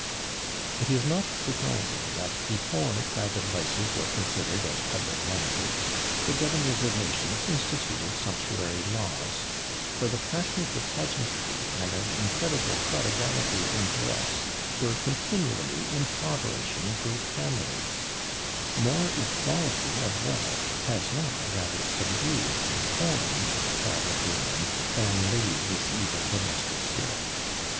It is not surprising that before "private vices were considered as public benefits," the governors of nations instituted sumptuary laws for the passion for pageantry and an incredible prodigality in dress were continually impoverishing great families more equality of wealth has now rather subdued the form of private ruin than laid this evil domestic spirit.